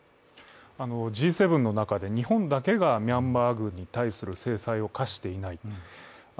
Ｇ７の中で日本だけがミャンマー軍に対する制裁を科していない。